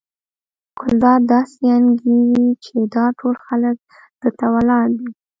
ګلداد داسې انګېري چې دا ټول خلک ده ته ولاړ دي.